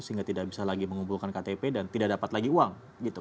sehingga tidak bisa lagi mengumpulkan ktp dan tidak dapat lagi uang